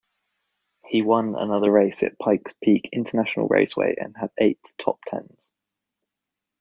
He won another race at Pikes Peak International Raceway and had eight top-tens.